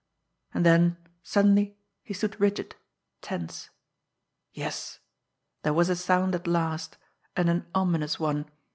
And then suddenly he stood rigid, tense. Yes, there was a sound at last and an ominous one!